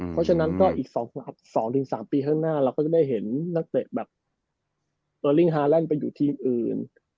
เพราะฉะนั้นก็อีก๒๓ปีข้างหน้าเราก็จะได้เห็นนักเตะแบบเออลิ่งฮาแลนด์ไปอยู่ทีมอื่น